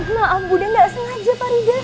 maaf budi enggak sengaja farida